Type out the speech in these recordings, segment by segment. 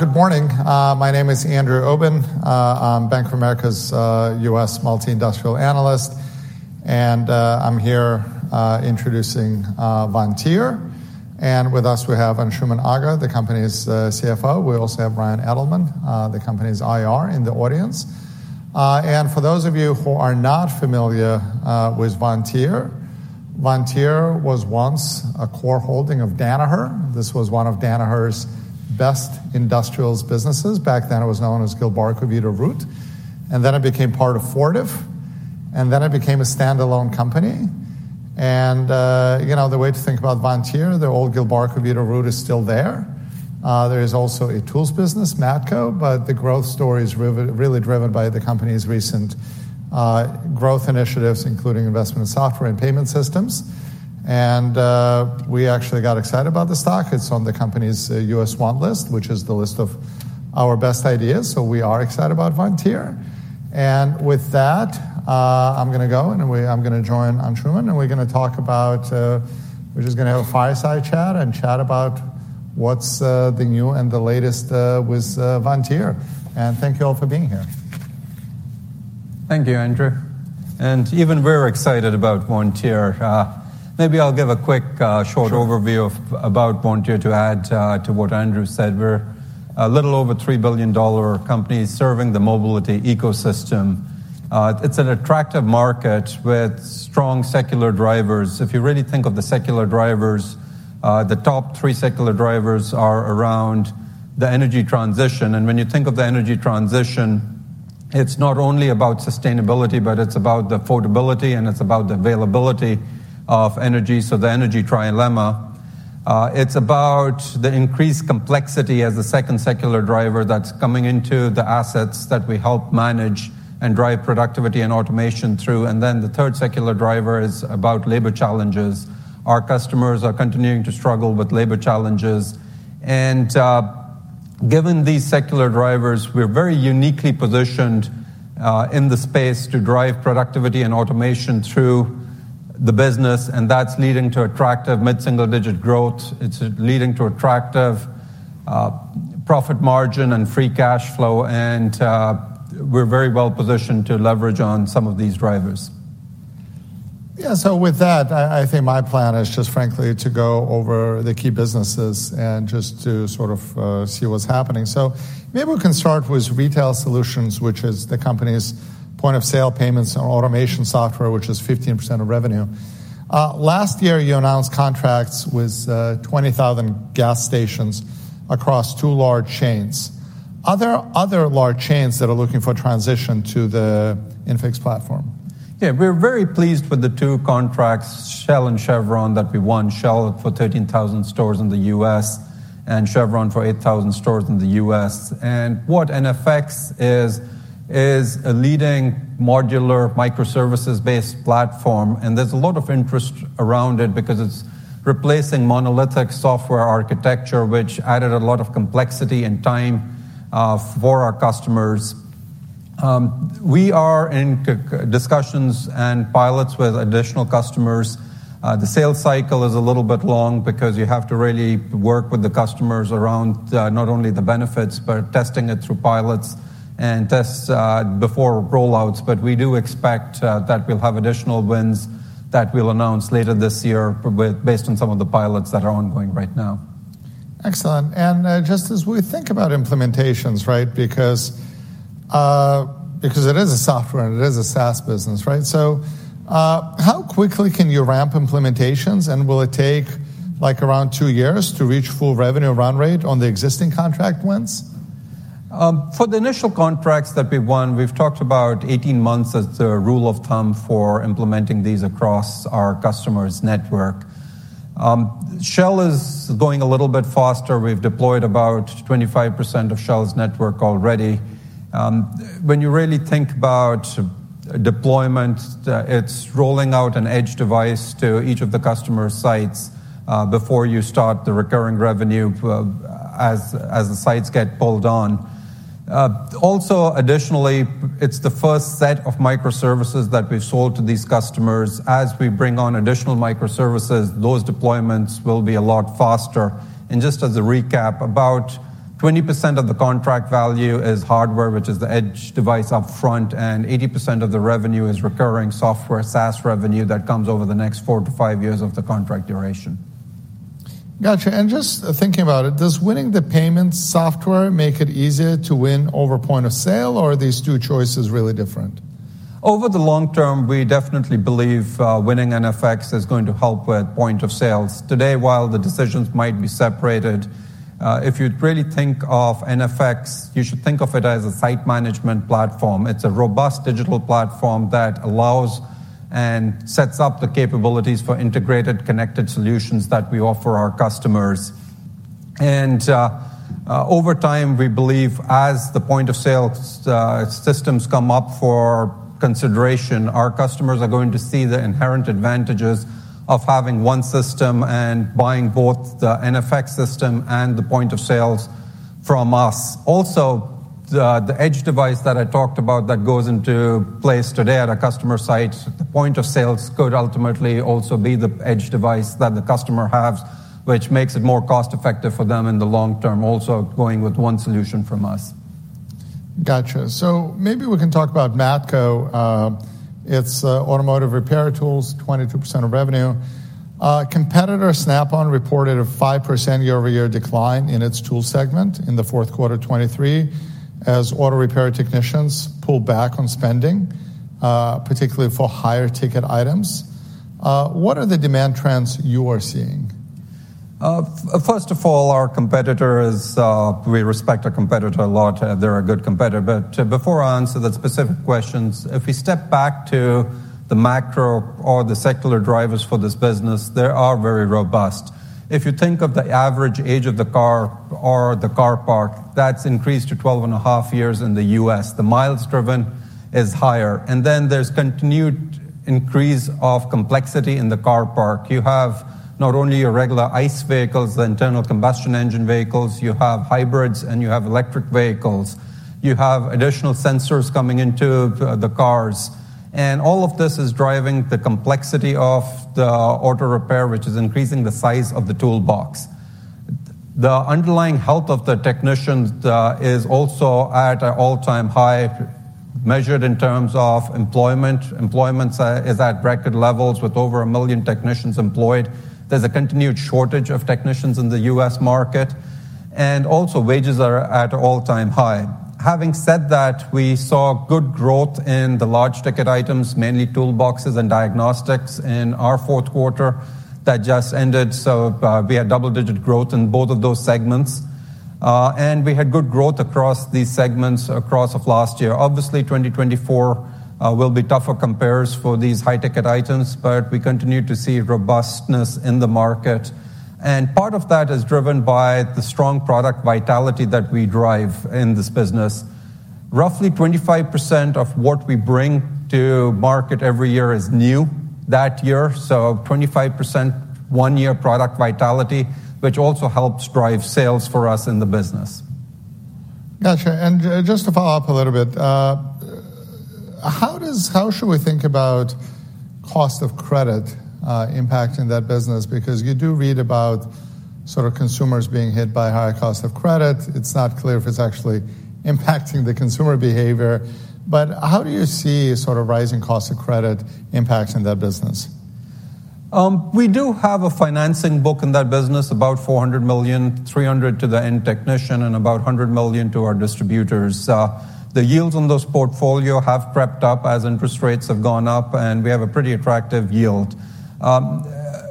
Good morning. My name is Andrew Obin. I'm Bank of America's U.S. multi-industrial analyst, and I'm here introducing Vontier. With us we have Anshooman Aga, the company's CFO. We also have Ryan Edelman, the company's IR, in the audience. For those of you who are not familiar with Vontier, Vontier was once a core holding of Danaher. This was one of Danaher's best industrials businesses. Back then it was known as Gilbarco Veeder-Root, and then it became part of Fortive, and then it became a standalone company. The way to think about Vontier, the old Gilbarco Veeder-Root is still there. There is also a tools business, Matco, but the growth story is really driven by the company's recent growth initiatives, including investment in software and payment systems. We actually got excited about the stock. It's on the company's U.S. Watch list, which is the list of our best ideas. So we are excited about Vontier. And with that, I'm going to go and I'm going to join Anshooman, and we're going to talk about we're just going to have a fireside chat and chat about what's new and the latest with Vontier. And thank you all for being here. Thank you, Andrew. Even we're excited about Vontier. Maybe I'll give a quick short overview about Vontier to add to what Andrew said. We're a little over $3 billion company serving the mobility ecosystem. It's an attractive market with strong secular drivers. If you really think of the secular drivers, the top three secular drivers are around the energy transition. And when you think of the energy transition, it's not only about sustainability, but it's about the affordability and it's about the availability of energy. So the Energy Trilemma. It's about the increased complexity as the second secular driver that's coming into the assets that we help manage and drive productivity and automation through. And then the third secular driver is about labor challenges. Our customers are continuing to struggle with labor challenges. Given these secular drivers, we're very uniquely positioned in the space to drive productivity and automation through the business, and that's leading to attractive mid-single digit growth. It's leading to attractive profit margin and free cash flow, and we're very well positioned to leverage on some of these drivers. Yeah. So with that, I think my plan is just frankly to go over the key businesses and just to sort of see what's happening. So maybe we can start with retail solutions, which is the company's point of sale payments and automation software, which is 15% of revenue. Last year you announced contracts with 20,000 gas stations across two large chains. Are there other large chains that are looking for transition to the iNFX platform? Yeah. We're very pleased with the two contracts, Shell and Chevron, that we won. Shell for 13,000 stores in the U.S. and Chevron for 8,000 stores in the U.S. What iNFX is, is a leading modular microservices-based platform, and there's a lot of interest around it because it's replacing monolithic software architecture, which added a lot of complexity and time for our customers. We are in discussions and pilots with additional customers. The sales cycle is a little bit long because you have to really work with the customers around not only the benefits, but testing it through pilots and tests before rollouts. We do expect that we'll have additional wins that we'll announce later this year based on some of the pilots that are ongoing right now. Excellent. Just as we think about implementations, right, because it is a software and it is a SaaS business, right? So how quickly can you ramp implementations, and will it take like around two years to reach full revenue run rate on the existing contract wins? For the initial contracts that we won, we've talked about 18 months as the rule of thumb for implementing these across our customers' network. Shell is going a little bit faster. We've deployed about 25% of Shell's network already. When you really think about deployment, it's rolling out an edge device to each of the customer sites before you start the recurring revenue as the sites get pulled on. Also, additionally, it's the first set of microservices that we've sold to these customers. As we bring on additional microservices, those deployments will be a lot faster. Just as a recap, about 20% of the contract value is hardware, which is the edge device upfront, and 80% of the revenue is recurring software, SaaS revenue that comes over the next 4-5 years of the contract duration. Gotcha. Just thinking about it, does winning the payments software make it easier to win over point of sale, or are these two choices really different? Over the long term, we definitely believe winning iNFX is going to help with point-of-sale. Today, while the decisions might be separated, if you really think of iNFX, you should think of it as a site management platform. It's a robust digital platform that allows and sets up the capabilities for integrated connected solutions that we offer our customers. Over time, we believe as the point-of-sale systems come up for consideration, our customers are going to see the inherent advantages of having one system and buying both the iNFX system and the point-of-sale from us. Also, the edge device that I talked about that goes into place today at our customer sites, the point-of-sale could ultimately also be the edge device that the customer has, which makes it more cost-effective for them in the long term, also going with one solution from us. Gotcha. So maybe we can talk about Matco. It's automotive repair tools, 22% of revenue. Competitor Snap-on reported a 5% year-over-year decline in its tool segment in the fourth quarter 2023 as auto repair technicians pulled back on spending, particularly for higher ticket items. What are the demand trends you are seeing? First of all, our competitor, we respect our competitor a lot. They're a good competitor. But before I answer the specific questions, if we step back to the macro or the secular drivers for this business, they are very robust. If you think of the average age of the car or the car park, that's increased to 12.5 years in the U.S. The miles driven is higher. And then there's continued increase of complexity in the car park. You have not only your regular ICE vehicles, the internal combustion engine vehicles, you have hybrids, and you have electric vehicles. You have additional sensors coming into the cars. And all of this is driving the complexity of the auto repair, which is increasing the size of the toolbox. The underlying health of the technicians is also at an all-time high, measured in terms of employment. Employment is at record levels with over 1 million technicians employed. There's a continued shortage of technicians in the U.S. market, and also wages are at an all-time high. Having said that, we saw good growth in the large ticket items, mainly toolboxes and diagnostics, in our fourth quarter that just ended. So we had double-digit growth in both of those segments, and we had good growth across these segments across last year. Obviously, 2024 will be tougher comparison for these high-ticket items, but we continue to see robustness in the market. And part of that is driven by the strong product vitality that we drive in this business. Roughly 25% of what we bring to market every year is new that year. So 25% one-year product vitality, which also helps drive sales for us in the business. Gotcha. Just to follow up a little bit, how should we think about cost of credit impacting that business? Because you do read about sort of consumers being hit by high cost of credit. It's not clear if it's actually impacting the consumer behavior. But how do you see sort of rising cost of credit impacts in that business? We do have a financing book in that business, about $400 million, $300 million to the end technician, and about $100 million to our distributors. The yields on those portfolios have crept up as interest rates have gone up, and we have a pretty attractive yield.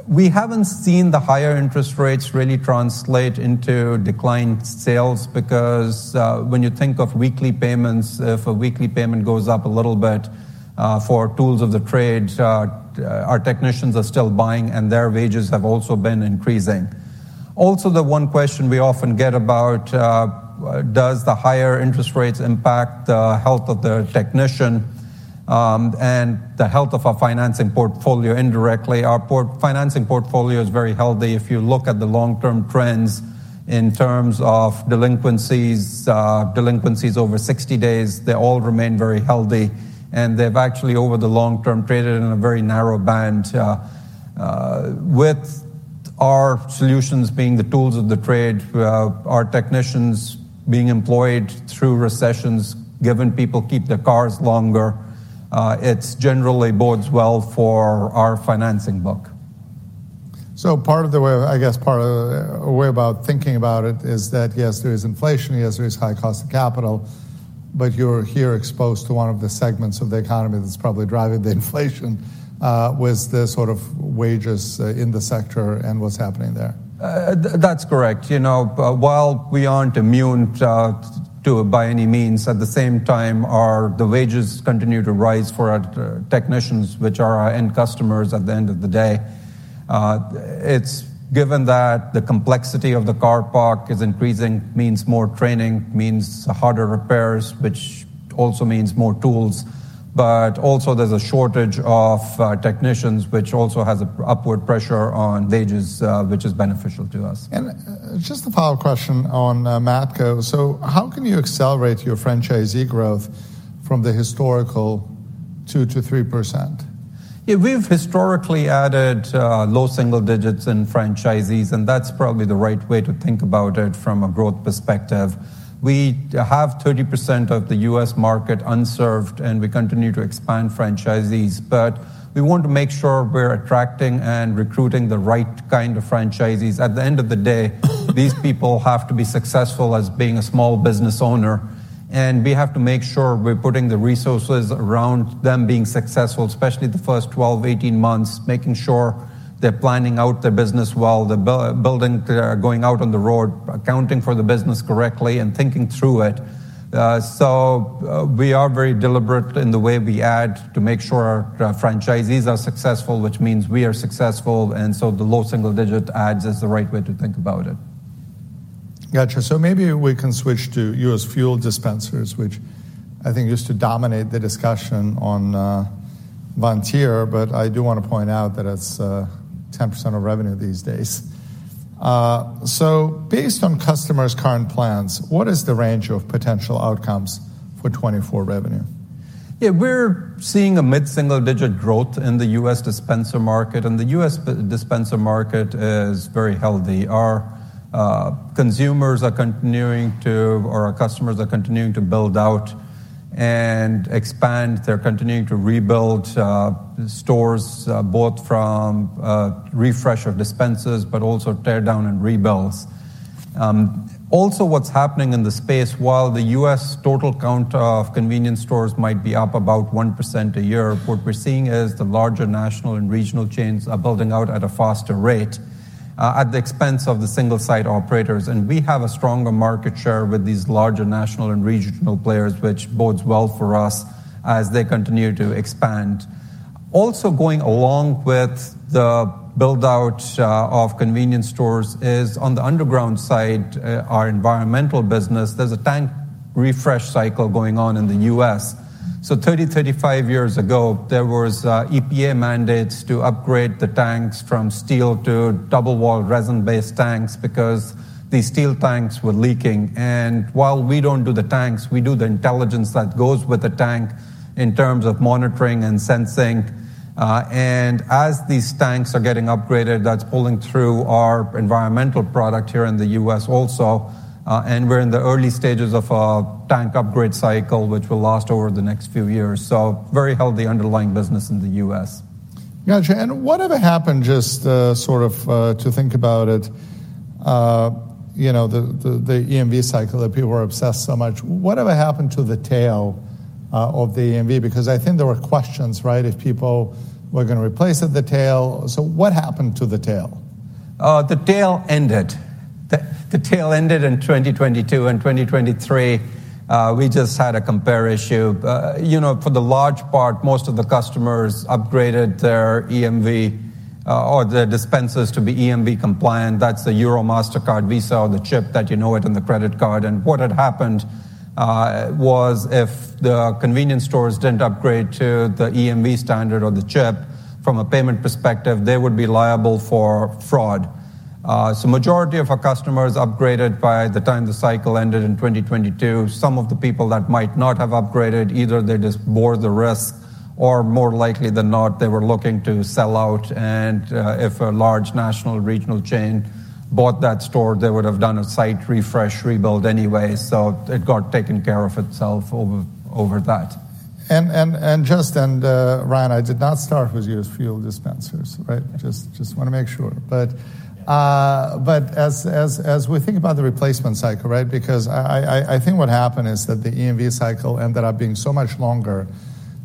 We haven't seen the higher interest rates really translate into declined sales because when you think of weekly payments, if a weekly payment goes up a little bit for tools of the trade, our technicians are still buying, and their wages have also been increasing. Also, the one question we often get about, does the higher interest rates impact the health of the technician and the health of our financing portfolio indirectly? Our financing portfolio is very healthy. If you look at the long-term trends in terms of delinquencies, delinquencies over 60 days, they all remain very healthy, and they've actually, over the long term, traded in a very narrow band. With our solutions being the tools of the trade, our technicians being employed through recessions, given people keep their cars longer, it generally bodes well for our financing book. So part of the way, I guess part of a way about thinking about it is that, yes, there is inflation, yes, there is high cost of capital, but you're here exposed to one of the segments of the economy that's probably driving the inflation with the sort of wages in the sector and what's happening there. That's correct. While we aren't immune to it by any means, at the same time, the wages continue to rise for our technicians, which are our end customers at the end of the day. Given that the complexity of the car park is increasing, it means more training, it means harder repairs, which also means more tools. But also there's a shortage of technicians, which also has an upward pressure on wages, which is beneficial to us. Just a follow-up question on Matco. So how can you accelerate your franchisee growth from the historical 2% to 3%? Yeah. We've historically added low single digits in franchisees, and that's probably the right way to think about it from a growth perspective. We have 30% of the U.S. market unserved, and we continue to expand franchisees, but we want to make sure we're attracting and recruiting the right kind of franchisees. At the end of the day, these people have to be successful as being a small business owner, and we have to make sure we're putting the resources around them being successful, especially the first 12, 18 months, making sure they're planning out their business well, they're going out on the road, accounting for the business correctly, and thinking through it. So we are very deliberate in the way we add to make sure our franchisees are successful, which means we are successful. And so the low single digit adds is the right way to think about it. Gotcha. So maybe we can switch to U.S. fuel dispensers, which I think used to dominate the discussion on Vontier, but I do want to point out that it's 10% of revenue these days. So based on customers' current plans, what is the range of potential outcomes for 2024 revenue? Yeah. We're seeing a mid-single-digit growth in the U.S. dispenser market, and the U.S. dispenser market is very healthy. Our consumers are continuing to or our customers are continuing to build out and expand. They're continuing to rebuild stores both from refresh of dispensers, but also tear down and rebuilds. Also, what's happening in the space, while the U.S. total count of convenience stores might be up about 1% a year, what we're seeing is the larger national and regional chains are building out at a faster rate at the expense of the single-site operators. And we have a stronger market share with these larger national and regional players, which bodes well for us as they continue to expand. Also going along with the buildout of convenience stores is on the underground side, our environmental business, there's a tank refresh cycle going on in the U.S. 30-35 years ago, there was EPA mandates to upgrade the tanks from steel to double-wall resin-based tanks because these steel tanks were leaking. While we don't do the tanks, we do the intelligence that goes with the tank in terms of monitoring and sensing. As these tanks are getting upgraded, that's pulling through our environmental product here in the U.S. also. We're in the early stages of a tank upgrade cycle, which will last over the next few years. Very healthy underlying business in the U.S. Gotcha. And whatever happened, just sort of to think about it, the EMV cycle that people were obsessed so much, whatever happened to the tail of the EMV? Because I think there were questions, right, if people were going to replace it at the tail. So what happened to the tail? The tail ended. The tail ended in 2022 and 2023. We just had a compare issue. For the most part, most of the customers upgraded their EMV or their dispensers to be EMV compliant. That's the Europay, Mastercard, Visa, or the chip that you know is in the credit card. What had happened was if the convenience stores didn't upgrade to the EMV standard or the chip, from a payment perspective, they would be liable for fraud. The majority of our customers upgraded by the time the cycle ended in 2022. Some of the people that might not have upgraded, either they just bore the risk or more likely than not, they were looking to sell out. If a large national regional chain bought that store, they would have done a site refresh, rebuild anyway. It took care of itself over that. Just, Ryan, I did not start with U.S. fuel dispensers, right? Just want to make sure. But as we think about the replacement cycle, right, because I think what happened is that the EMV cycle ended up being so much longer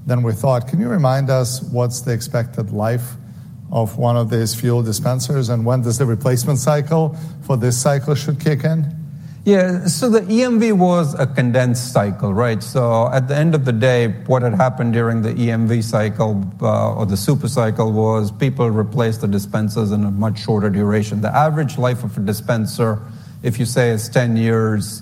than we thought. Can you remind us what's the expected life of one of these fuel dispensers and when does the replacement cycle for this cycle should kick in? Yeah. So the EMV was a condensed cycle, right? So at the end of the day, what had happened during the EMV cycle or the super cycle was people replaced the dispensers in a much shorter duration. The average life of a dispenser, if you say, is 10 years,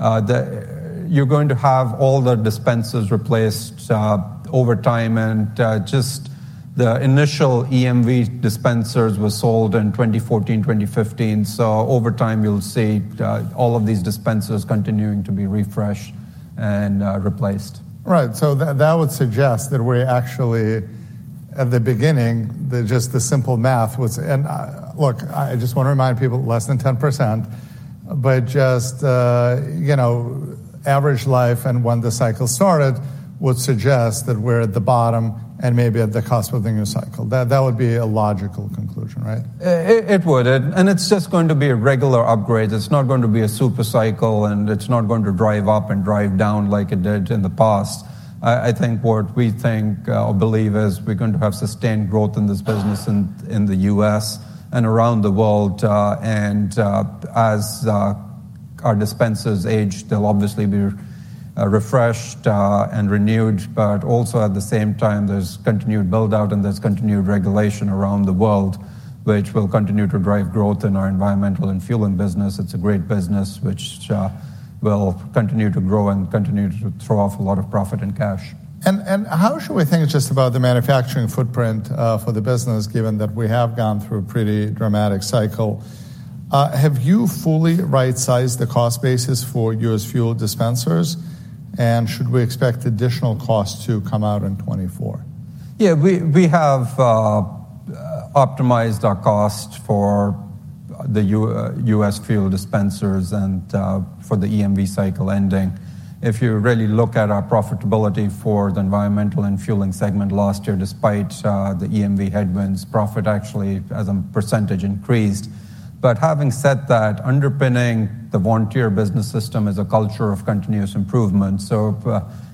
you're going to have all the dispensers replaced over time. And just the initial EMV dispensers were sold in 2014, 2015. So over time, you'll see all of these dispensers continuing to be refreshed and replaced. Right. So that would suggest that we actually, at the beginning, just the simple math was, and look, I just want to remind people, less than 10%, but just average life and when the cycle started would suggest that we're at the bottom and maybe at the cost of the new cycle. That would be a logical conclusion, right? It would. It's just going to be a regular upgrade. It's not going to be a super cycle, and it's not going to drive up and drive down like it did in the past. I think what we think or believe is we're going to have sustained growth in this business in the U.S. and around the world. As our dispensers age, they'll obviously be refreshed and renewed. But also at the same time, there's continued buildout and there's continued regulation around the world, which will continue to drive growth in our environmental and fueling business. It's a great business, which will continue to grow and continue to throw off a lot of profit and cash. How should we think just about the manufacturing footprint for the business, given that we have gone through a pretty dramatic cycle? Have you fully right-sized the cost basis for U.S. fuel dispensers? Should we expect additional costs to come out in 2024? Yeah. We have optimized our cost for the U.S. fuel dispensers and for the EMV cycle ending. If you really look at our profitability for the environmental and fueling segment last year, despite the EMV headwinds, profit actually, as a percentage, increased. But having said that, underpinning the Vontier Business System is a culture of continuous improvement. So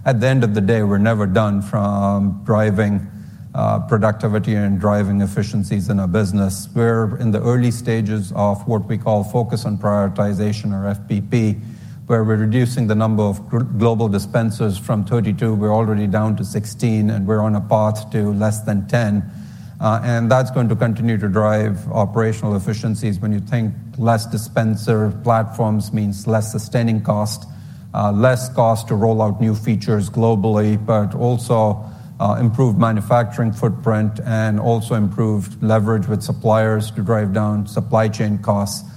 at the end of the day, we're never done from driving productivity and driving efficiencies in our business. We're in the early stages of what we call focus on prioritization or FPP, where we're reducing the number of global dispensers from 32. We're already down to 16, and we're on a path to less than 10. That's going to continue to drive operational efficiencies. When you think less dispenser platforms means less sustaining cost, less cost to roll out new features globally, but also improved manufacturing footprint and also improved leverage with suppliers to drive down supply chain costs.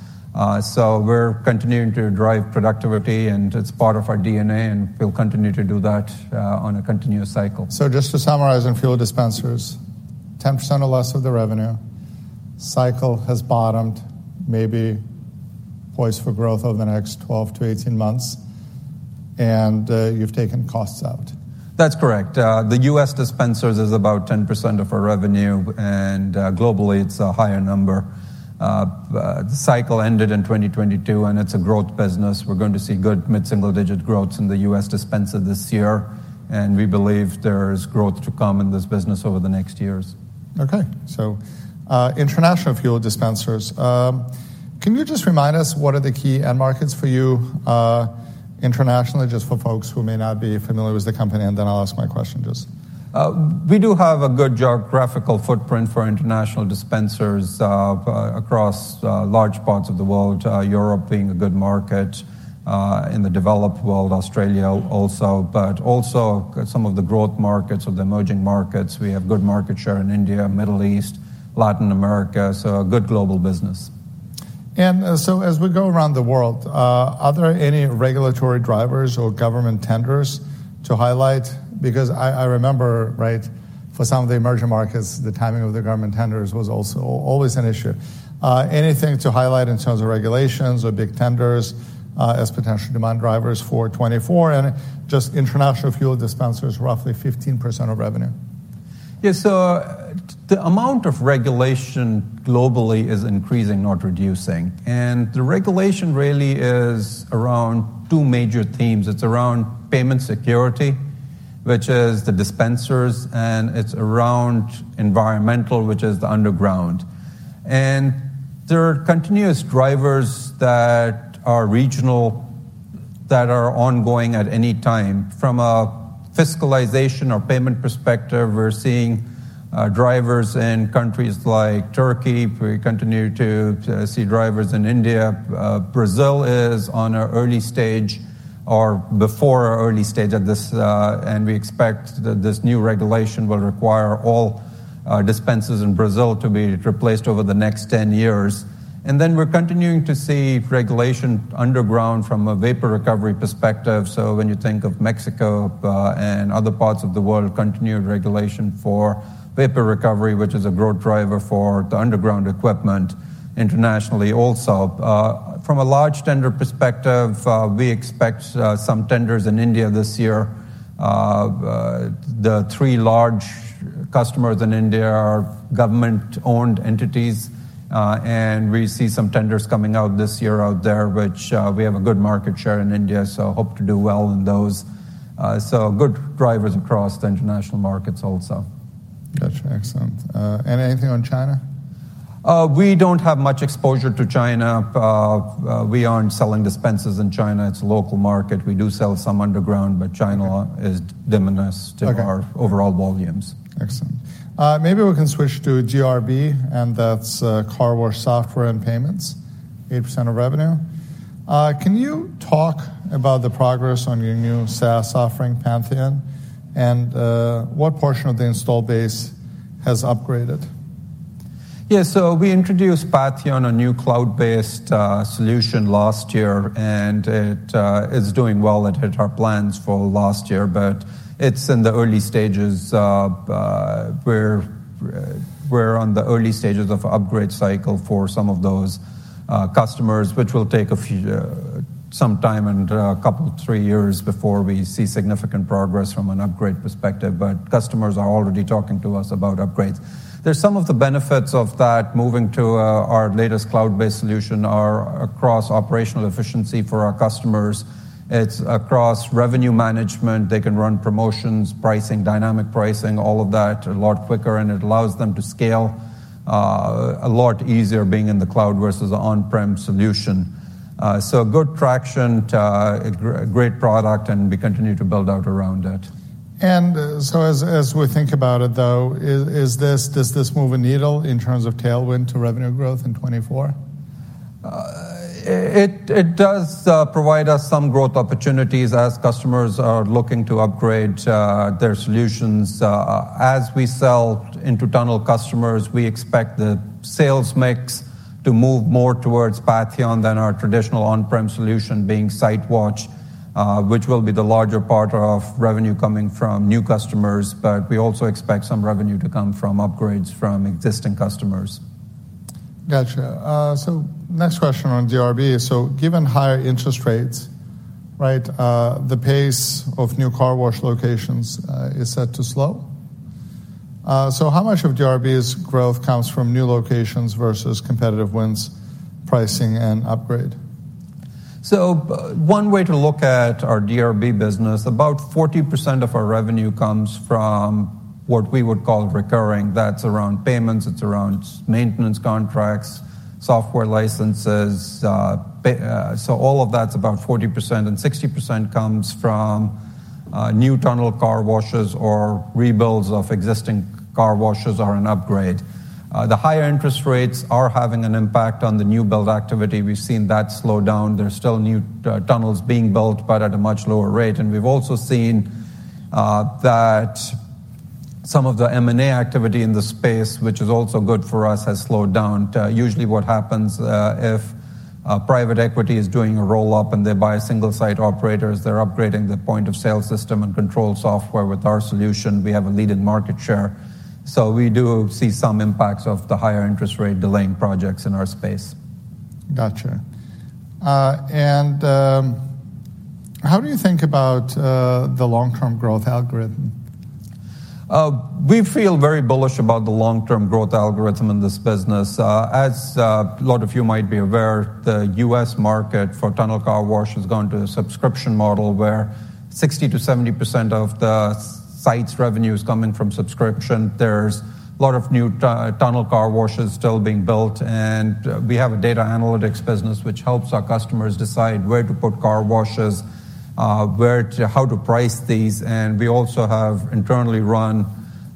So we're continuing to drive productivity, and it's part of our DNA, and we'll continue to do that on a continuous cycle. Just to summarize, in fuel dispensers, 10% or less of the revenue, cycle has bottomed, maybe poised for growth over the next 12-18 months, and you've taken costs out. That's correct. The U.S. dispensers is about 10% of our revenue, and globally, it's a higher number. The cycle ended in 2022, and it's a growth business. We're going to see good mid-single digit growths in the U.S. dispenser this year, and we believe there's growth to come in this business over the next years. Okay. So international fuel dispensers, can you just remind us what are the key end markets for you internationally, just for folks who may not be familiar with the company? And then I'll ask my question just. We do have a good geographical footprint for international dispensers across large parts of the world, Europe being a good market, in the developed world, Australia also, but also some of the growth markets of the emerging markets. We have good market share in India, Middle East, Latin America, so a good global business. So as we go around the world, are there any regulatory drivers or government tenders to highlight? Because I remember, right, for some of the emerging markets, the timing of the government tenders was also always an issue. Anything to highlight in terms of regulations or big tenders as potential demand drivers for 2024? Just international fuel dispensers, roughly 15% of revenue. Yeah. So the amount of regulation globally is increasing, not reducing. The regulation really is around two major themes. It's around payment security, which is the dispensers, and it's around environmental, which is the underground. There are continuous drivers that are regional that are ongoing at any time. From a fiscalization or payment perspective, we're seeing drivers in countries like Turkey. We continue to see drivers in India. Brazil is on an early stage or before an early stage of this, and we expect that this new regulation will require all dispensers in Brazil to be replaced over the next 10 years. Then we're continuing to see regulation underground from a vapor recovery perspective. So when you think of Mexico and other parts of the world, continued regulation for vapor recovery, which is a growth driver for the underground equipment internationally also. From a large tender perspective, we expect some tenders in India this year. The three large customers in India are government-owned entities, and we see some tenders coming out this year out there, which we have a good market share in India, so hope to do well in those. So good drivers across the international markets also. Gotcha. Excellent. And anything on China? We don't have much exposure to China. We aren't selling dispensers in China. It's a local market. We do sell some underground, but China is diminished in our overall volumes. Excellent. Maybe we can switch to DRB, and that's car wash software and payments, 8% of revenue. Can you talk about the progress on your new SaaS offering, Patheon, and what portion of the installed base has upgraded? Yeah. So we introduced Patheon, a new cloud-based solution last year, and it is doing well. It hit our plans for last year, but it's in the early stages. We're on the early stages of an upgrade cycle for some of those customers, which will take some time and a couple, three years before we see significant progress from an upgrade perspective. But customers are already talking to us about upgrades. There's some of the benefits of that moving to our latest cloud-based solution are across operational efficiency for our customers. It's across revenue management. They can run promotions, pricing, dynamic pricing, all of that a lot quicker, and it allows them to scale a lot easier being in the cloud versus an on-prem solution. So good traction, great product, and we continue to build out around it. As we think about it, though, does this move a needle in terms of tailwind to revenue growth in 2024? It does provide us some growth opportunities as customers are looking to upgrade their solutions. As we sell into tunnel customers, we expect the sales mix to move more towards Patheon than our traditional on-prem solution being SiteWatch, which will be the larger part of revenue coming from new customers. But we also expect some revenue to come from upgrades from existing customers. Gotcha. So next question on DRB. So given higher interest rates, right, the pace of new car wash locations is set to slow. So how much of DRB's growth comes from new locations versus competitive wins, pricing, and upgrade? So one way to look at our DRB business, about 40% of our revenue comes from what we would call recurring. That's around payments. It's around maintenance contracts, software licenses. So all of that's about 40%, and 60% comes from new tunnel car washes or rebuilds of existing car washes or an upgrade. The higher interest rates are having an impact on the new build activity. We've seen that slow down. There's still new tunnels being built, but at a much lower rate. And we've also seen that some of the M&A activity in the space, which is also good for us, has slowed down. Usually, what happens if private equity is doing a roll-up and they buy single-site operators, they're upgrading the point-of-sale system and control software with our solution. We have a leading market share. We do see some impacts of the higher interest rate delaying projects in our space. Gotcha. And how do you think about the long-term growth algorithm? We feel very bullish about the long-term growth algorithm in this business. As a lot of you might be aware, the U.S. market for tunnel car wash is going to a subscription model where 60%-70% of the sites' revenue is coming from subscription. There's a lot of new tunnel car washes still being built, and we have a data analytics business which helps our customers decide where to put car washes, how to price these. We also have internally run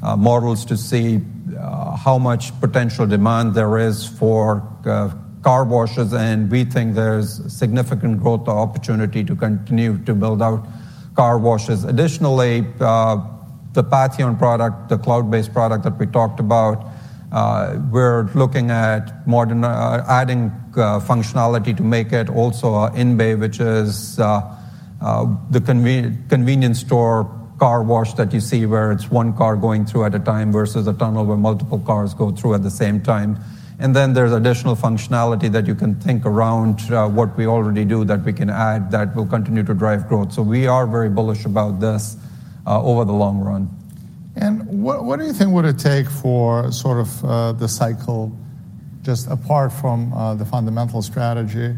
models to see how much potential demand there is for car washes, and we think there's significant growth opportunity to continue to build out car washes. Additionally, the Patheon product, the cloud-based product that we talked about, we're looking at adding functionality to make it also an in-bay, which is the convenience store car wash that you see where it's one car going through at a time versus a tunnel where multiple cars go through at the same time. Then there's additional functionality that you can think around what we already do that we can add that will continue to drive growth. We are very bullish about this over the long run. What do you think would it take for sort of the cycle just apart from the fundamental strategy?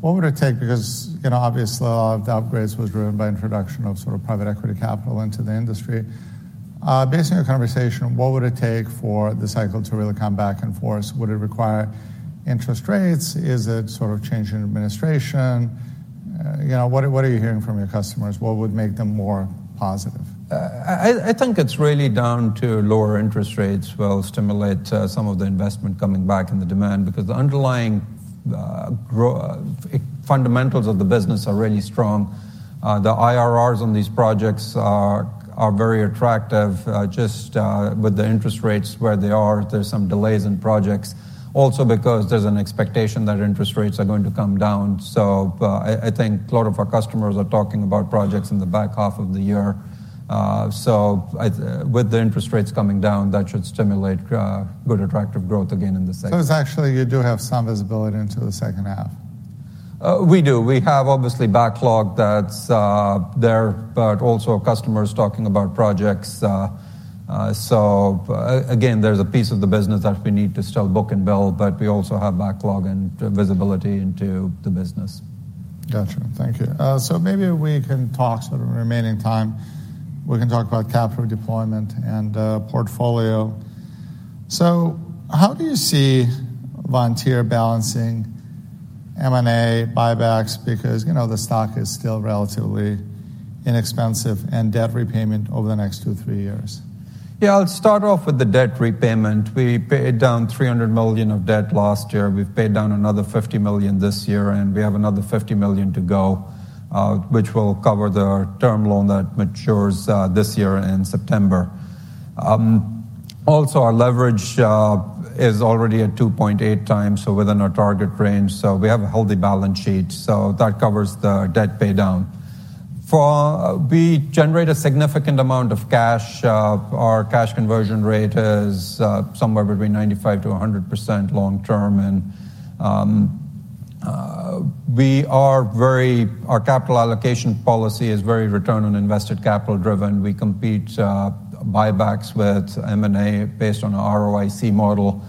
What would it take? Because obviously, a lot of the upgrades were driven by introduction of sort of private equity capital into the industry. Based on your conversation, what would it take for the cycle to really come back and forth? Would it require interest rates? Is it sort of changing administration? What are you hearing from your customers? What would make them more positive? I think it's really down to lower interest rates will stimulate some of the investment coming back in the demand because the underlying fundamentals of the business are really strong. The IRRs on these projects are very attractive. Just with the interest rates where they are, there's some delays in projects, also because there's an expectation that interest rates are going to come down. So I think a lot of our customers are talking about projects in the back half of the year. So with the interest rates coming down, that should stimulate good, attractive growth again in the second. So actually, you do have some visibility into the second half. We do. We have obviously backlog that's there, but also customers talking about projects. So again, there's a piece of the business that we need to still book and bill, but we also have backlog and visibility into the business. Gotcha. Thank you. So maybe we can talk sort of in remaining time, we can talk about capital deployment and portfolio. So how do you see Vontier balancing M&A, buybacks? Because the stock is still relatively inexpensive and debt repayment over the next two, three years. Yeah. I'll start off with the debt repayment. We paid down $300 million of debt last year. We've paid down another $50 million this year, and we have another $50 million to go, which will cover the term loan that matures this year in September. Also, our leverage is already at 2.8x, so within our target range. So we have a healthy balance sheet, so that covers the debt paydown. We generate a significant amount of cash. Our cash conversion rate is somewhere between 95%-100% long term. And our capital allocation policy is very return on invested capital driven. We compare buybacks with M&A based on an ROIC model,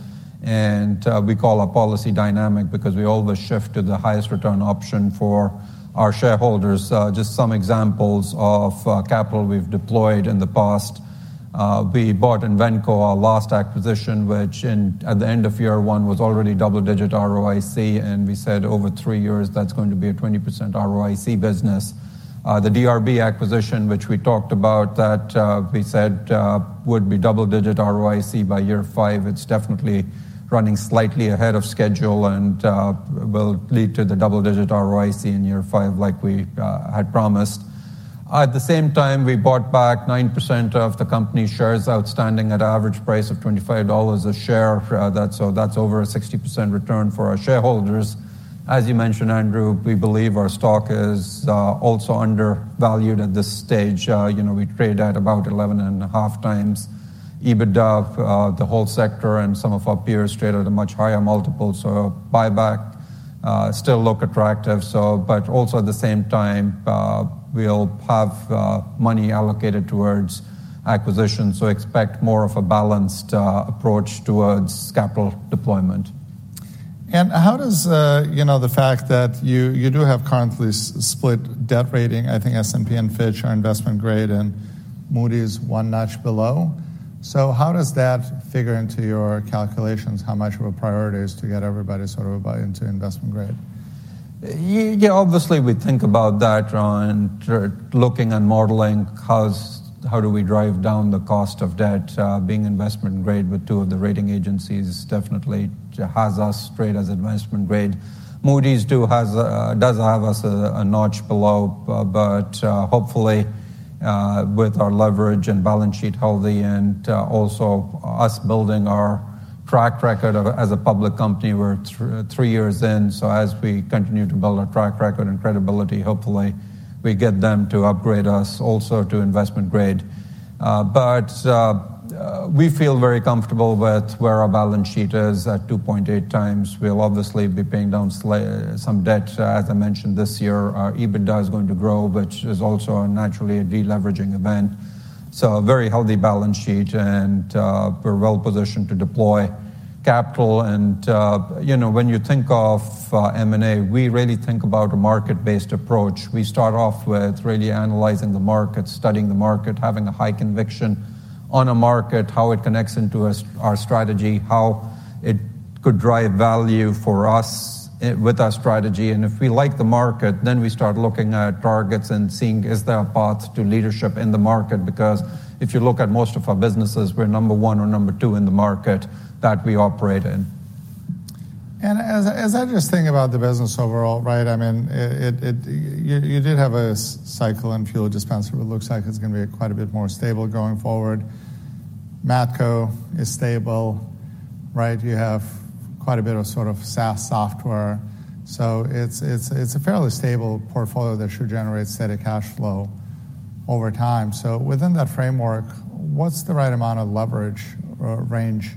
and we call our policy dynamic because we always shift to the highest return option for our shareholders. Just some examples of capital we've deployed in the past. We bought Invenco, our last acquisition, which at the end of year one was already double-digit ROIC, and we said over three years, that's going to be a 20% ROIC business. The DRB acquisition, which we talked about, that we said would be double-digit ROIC by year five. It's definitely running slightly ahead of schedule and will lead to the double-digit ROIC in year five like we had promised. At the same time, we bought back 9% of the company's shares outstanding at an average price of $25 a share. So that's over a 60% return for our shareholders. As you mentioned, Andrew, we believe our stock is also undervalued at this stage. We trade at about 11.5x EBITDA. The whole sector and some of our peers traded at a much higher multiple. So buyback still looks attractive. Also at the same time, we'll have money allocated towards acquisitions. Expect more of a balanced approach towards capital deployment. How does the fact that you do have currently split debt rating, I think S&P and Fitch are investment grade and Moody's one notch below? So how does that figure into your calculations? How much of a priority is to get everybody sort of into investment grade? Yeah. Obviously, we think about that and looking and modeling how do we drive down the cost of debt. Being investment grade with two of the rating agencies definitely has us straight as investment grade. Moody's does have us a notch below, but hopefully, with our leverage and balance sheet healthy and also us building our track record as a public company, we're three years in. So as we continue to build our track record and credibility, hopefully, we get them to upgrade us also to investment grade. But we feel very comfortable with where our balance sheet is at 2.8 times. We'll obviously be paying down some debt, as I mentioned, this year. Our EBITDA is going to grow, which is also naturally a deleveraging event. So a very healthy balance sheet, and we're well positioned to deploy capital. When you think of M&A, we really think about a market-based approach. We start off with really analyzing the market, studying the market, having a high conviction on a market, how it connects into our strategy, how it could drive value for us with our strategy. If we like the market, then we start looking at targets and seeing is there a path to leadership in the market? Because if you look at most of our businesses, we're number one or number two in the market that we operate in. As I just think about the business overall, right, I mean, you did have a cycle in Fuel & Dispenser. It looks like it's going to be quite a bit more stable going forward. Matco is stable, right? You have quite a bit of sort of SaaS software. It's a fairly stable portfolio that should generate steady cash flow over time. Within that framework, what's the right amount of leverage range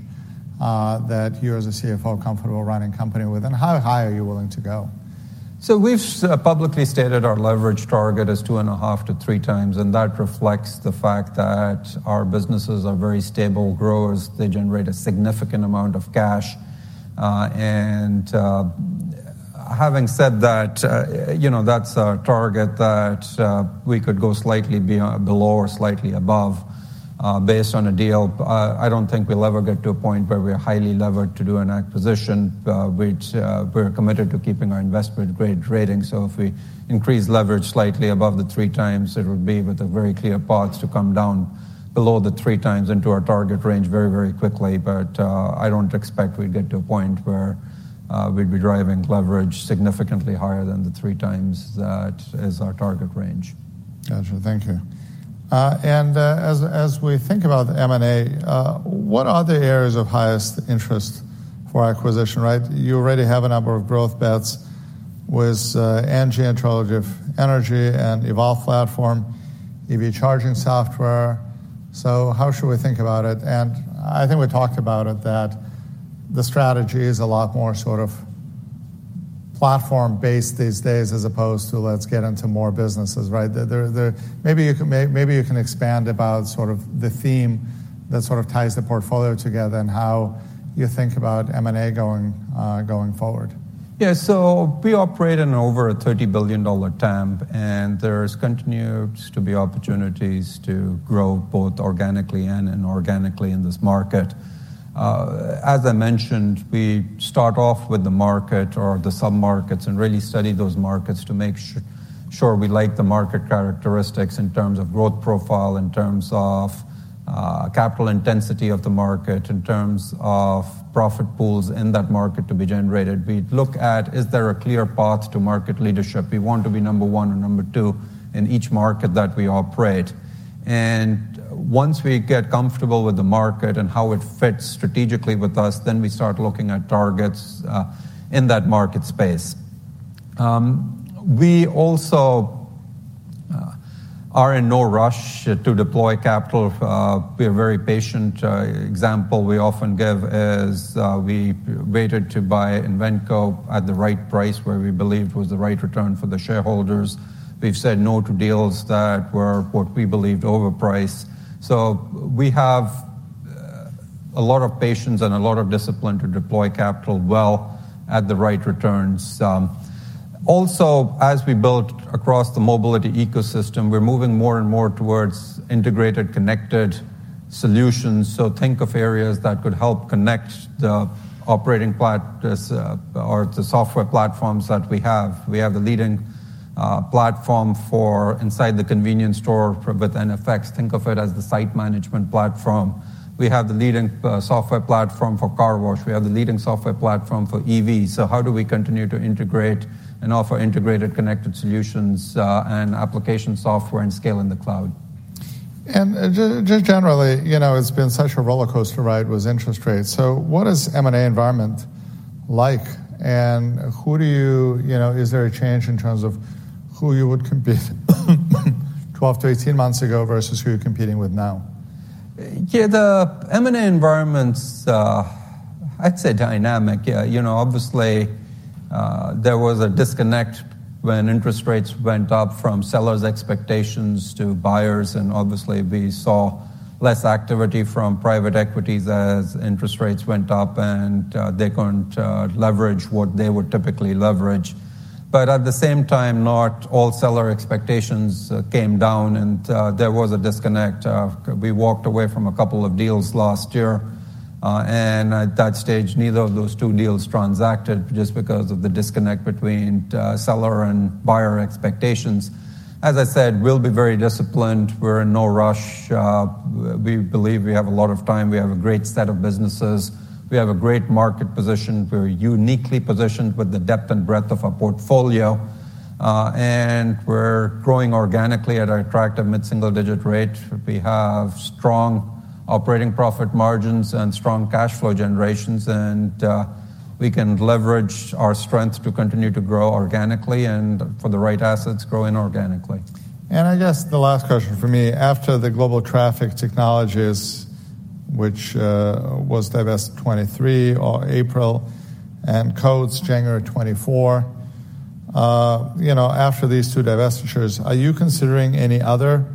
that you as a CFO are comfortable running a company with? And how high are you willing to go? We've publicly stated our leverage target as 2.5-3 times, and that reflects the fact that our businesses are very stable growers. They generate a significant amount of cash. Having said that, that's a target that we could go slightly below or slightly above based on a deal. I don't think we'll ever get to a point where we're highly levered to do an acquisition. We're committed to keeping our investment grade rating. If we increase leverage slightly above the 3 times, it would be with a very clear path to come down below the 3 times into our target range very, very quickly. I don't expect we'd get to a point where we'd be driving leverage significantly higher than the 3 times that is our target range. Gotcha. Thank you. And as we think about the M&A, what are the areas of highest interest for acquisition, right? You already have a number of growth bets with Angie and Trilogy of Energy and EVolve Platform, EV charging software. So how should we think about it? And I think we talked about it, that the strategy is a lot more sort of platform-based these days as opposed to, let's get into more businesses, right? Maybe you can expand about sort of the theme that sort of ties the portfolio together and how you think about M&A going forward. Yeah. So we operate in over a $30 billion TAMP, and there's continued to be opportunities to grow both organically and inorganically in this market. As I mentioned, we start off with the market or the submarkets and really study those markets to make sure we like the market characteristics in terms of growth profile, in terms of capital intensity of the market, in terms of profit pools in that market to be generated. We look at, is there a clear path to market leadership? We want to be number one or number two in each market that we operate. And once we get comfortable with the market and how it fits strategically with us, then we start looking at targets in that market space. We also are in no rush to deploy capital. We are very patient. An example we often give is we waited to buy Invenco at the right price where we believed was the right return for the shareholders. We've said no to deals that were what we believed overpriced. So we have a lot of patience and a lot of discipline to deploy capital well at the right returns. Also, as we build across the mobility ecosystem, we're moving more and more towards integrated, connected solutions. So think of areas that could help connect the operating platforms that we have. We have the leading platform inside the convenience store with NFX. Think of it as the site management platform. We have the leading software platform for car wash. We have the leading software platform for EV. So how do we continue to integrate and offer integrated, connected solutions and application software and scale in the cloud? Just generally, it's been such a rollercoaster ride with interest rates. What is the M&A environment like? Is there a change in terms of who you would compete with 12-18 months ago versus who you're competing with now? Yeah. The M&A environment's, I'd say, dynamic. Obviously, there was a disconnect when interest rates went up from sellers' expectations to buyers. Obviously, we saw less activity from private equities as interest rates went up, and they couldn't leverage what they would typically leverage. But at the same time, not all seller expectations came down, and there was a disconnect. We walked away from a couple of deals last year. At that stage, neither of those two deals transacted just because of the disconnect between seller and buyer expectations. As I said, we'll be very disciplined. We're in no rush. We believe we have a lot of time. We have a great set of businesses. We have a great market position. We're uniquely positioned with the depth and breadth of our portfolio. We're growing organically at an attractive mid-single digit rate. We have strong operating profit margins and strong cash flow generations, and we can leverage our strength to continue to grow organically and for the right assets growing organically. I guess the last question for me, after the Global Traffic Technologies, which was divest April 23 and Coats January 2024, after these two divestitures, are you considering any other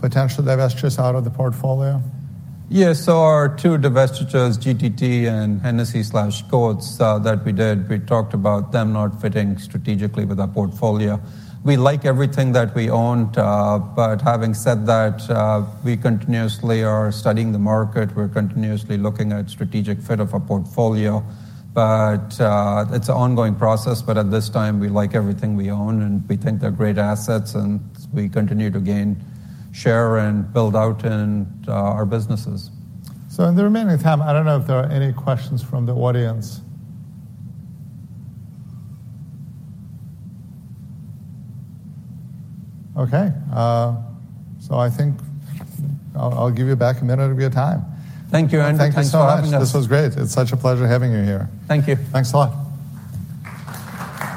potential divestitures out of the portfolio? Yeah. So our two divestitures, GTT and Hennessy/Coats that we did, we talked about them not fitting strategically with our portfolio. We like everything that we own. But having said that, we continuously are studying the market. We're continuously looking at the strategic fit of our portfolio. But it's an ongoing process. But at this time, we like everything we own, and we think they're great assets, and we continue to gain share and build out in our businesses. In the remaining time, I don't know if there are any questions from the audience. Okay. I think I'll give you back a minute of your time. Thank you, Andy. Thanks for having us. This was great. It's such a pleasure having you here. Thank you. Thanks a lot.